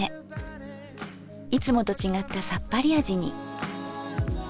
いつもと違ったさっぱり味に。